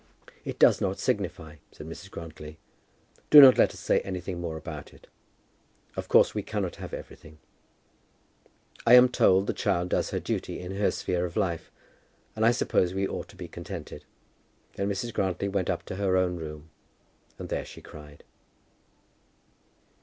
"It does not signify," said Mrs. Grantly. "Do not let us say anything more about it. Of course we cannot have everything. I am told the child does her duty in her sphere of life, and I suppose we ought to be contented." Then Mrs. Grantly went up to her own room, and there she cried.